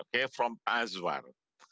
dari pak azwar